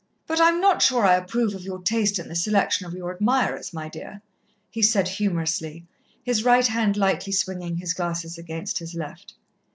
"But I am not sure I approve of your taste in the selection of your admirers, my dear," he said humorously, his right hand lightly swinging his glasses against his left.